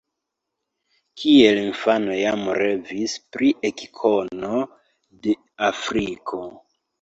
Kiel infano jam revis pri ekkono de Afriko.